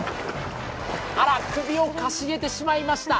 あら、首をかしげてしまいました。